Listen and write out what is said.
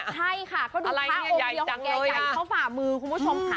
ใช่ค่ะ